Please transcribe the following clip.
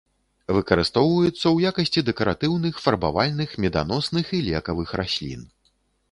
Выкарыстоўваюцца ў якасці дэкаратыўных, фарбавальных, меданосных і лекавых раслін.